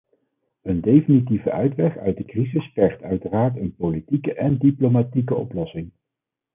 Een definitieve uitweg uit de crisis vergt uiteraard een politieke en diplomatieke oplossing.